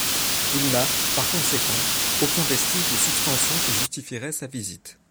Il n'y a, par conséquent, aucun vestige de Substantion qui justifierait sa visite.